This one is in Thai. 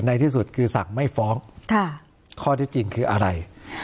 ในที่สุดคือสั่งไม่ฟ้องข้อที่จริงคืออะไร